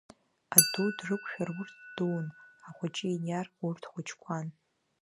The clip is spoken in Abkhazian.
Аду дрықәшәар, урҭ дуун, ахәыҷы иниар, урҭ хәыҷқәан.